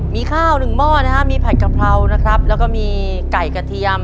มีข้าว๑หม้อนะคะมีผลัดกะเพราแล้วก็มีไก่กระเทียม